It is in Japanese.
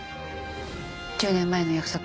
１０年前の約束